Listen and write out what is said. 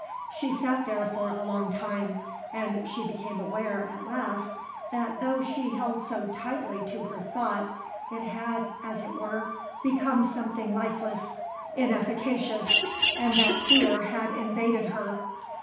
She sat there for a long time, and she became aware at last that though she held so tightly to her thought, it had, as it were, become something lifeless, inefficacious, and that fear had invaded her.